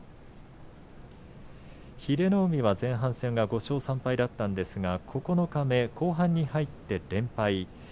英乃海が前半戦５勝３敗でしたが九日目後半に入って連敗。